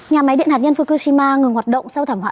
nhà máy điện hạt nhân fukushima ngừng hoạt động sau thảm họa